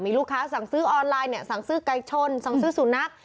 ลูกค้าสั่งซื้อออนไลน์เนี่ยสั่งซื้อไก่ชนสั่งซื้อสุนัข